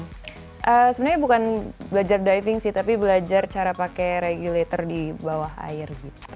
sebenarnya bukan belajar diving sih tapi belajar cara pakai regulator di bawah air